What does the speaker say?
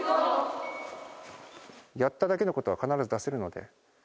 やっただけのことは必ず出せるので。